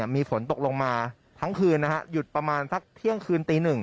มีฝนตกลงมาทั้งคืนหยุดประมาณสักเที่ยงคืนตี๑